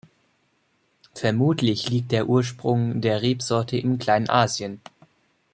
Vermutlich liegt der Ursprung der Rebsorte in Kleinasien.